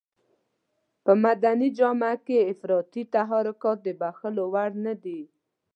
په مدني جامه کې افراطي تحرکات د بښلو وړ نه دي.